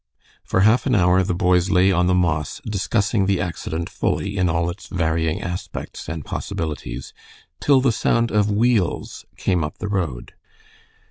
For half an hour the boys lay on the moss discussing the accident fully in all its varying aspects and possibilities, till the sound of wheels came up the road.